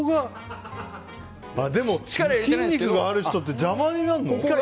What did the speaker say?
筋肉がある人って邪魔になるの？